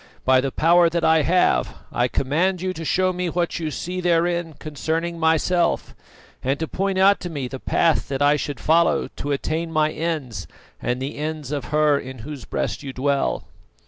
By the power that I have, I command you to show me what you see therein concerning myself, and to point out to me the path that I should follow to attain my ends and the ends of her in whose breast you dwell."